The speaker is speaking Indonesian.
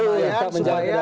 harus tetap menjaga kedamaian